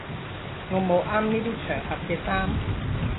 我冇啱呢啲場合嘅衫